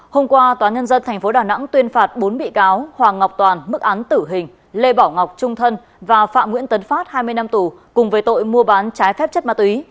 hôm qua tòa nhân dân tp đà nẵng tuyên phạt bốn bị cáo hoàng ngọc toàn mức án tử hình lê bảo ngọc trung thân và phạm nguyễn tấn phát hai mươi năm tù cùng với tội mua bán trái phép chất ma túy